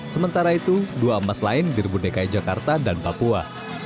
sementara itu dua emas lain direbut dki jakarta dan papua